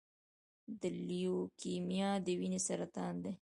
د لیوکیمیا د وینې سرطان دی.